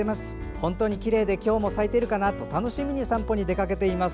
本当にきれいで今日も咲いているかと楽しみに散歩に出かけています。